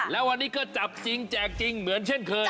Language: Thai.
แล้ววันนี้ก็จับจริงแจกจริงเหมือนเช่นเคย